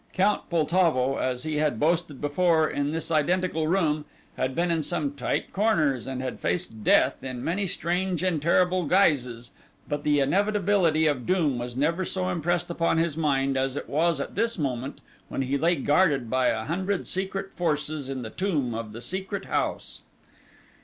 Count Poltavo, as he had boasted before in this identical room, had been in some tight corners and had faced death in many strange and terrible guises, but the inevitability of doom was never so impressed upon his mind as it was at this moment when he lay guarded by a hundred secret forces in the tomb of the Secret House.